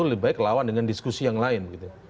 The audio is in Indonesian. lebih baik lawan dengan diskusi yang lain